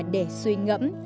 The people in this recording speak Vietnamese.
để suy ngẫm